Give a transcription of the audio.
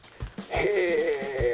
へえ。